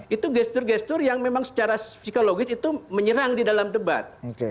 itu gestur gestur yang memang secara psikologis itu menyerang di dalam debat